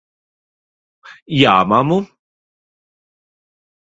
Jā, mammu?